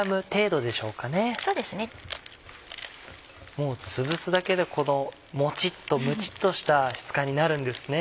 もう潰すだけでこのもちっとむちっとした質感になるんですね。